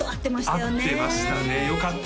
合ってましたねよかった！